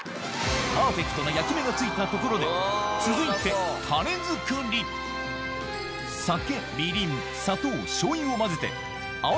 パーフェクトな焼き目がついたところで酒みりん砂糖しょうゆを混ぜてこの後うわ！